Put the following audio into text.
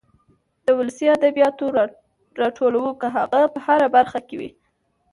د ولسي ادبياتو راټولو که هغه په هره برخه کې وي.